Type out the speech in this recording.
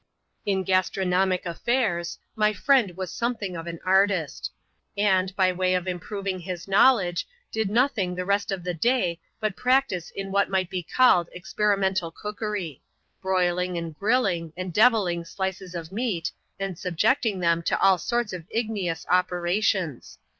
In gastronomic affairs, my friend was something of an artist ; and, by way of improving his knowledge, did nothing the rest of the day but practise in what might be called Experimental Cookery: broiling and grilling, and deviling slices of meat, and subjecting them to all sorts of igneous operations.